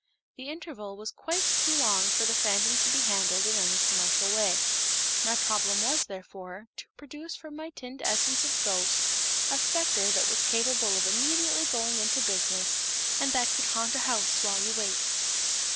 The interval was quite too long for the phantom to be handled in any commercial way. My problem was, therefore, to produce from my tinned Essence of Ghost a specter that was capable of immediately going into business and that could haunt a house while you wait.